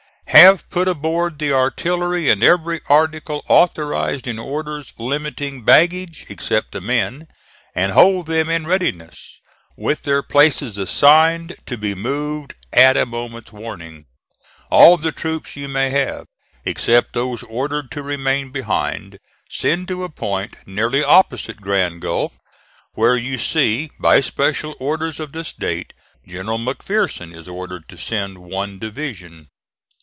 Have put aboard the artillery and every article authorized in orders limiting baggage, except the men, and hold them in readiness, with their places assigned, to be moved at a moment's warning. All the troops you may have, except those ordered to remain behind, send to a point nearly opposite Grand Gulf, where you see, by special orders of this date, General McPherson is ordered to send one division.